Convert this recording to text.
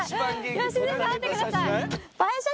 良純さん待ってください。